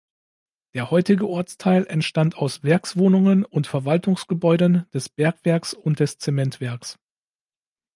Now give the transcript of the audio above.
Der heutige Ortsteil entstand aus Werkswohnungen und Verwaltungsgebäuden des Bergwerks und des Zementwerks.